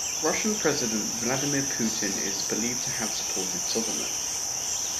Russian president Vladimir Putin is believed to have supported Sovmen.